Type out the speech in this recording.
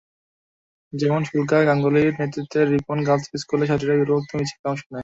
যেমন শুক্লা গাঙ্গুলির নেতৃত্বে রিপন গার্লস স্কুলের ছাত্রীরা পূর্বোক্ত মিছিলে অংশ নেয়।